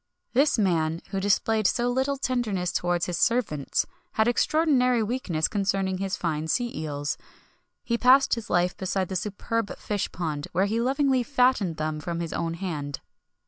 [XXI 58] This man, who displayed so little tenderness towards his servants, had an extraordinary weakness concerning his fine sea eels. He passed his life beside the superb fish pond, where he lovingly fattened them from his own hand.